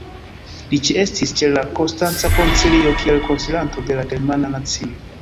Li ĉeestis ĉe la Konstanca Koncilio kiel konsilanto de la "germana nacio".